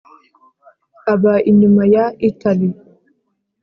aba inyuma ya ltaly,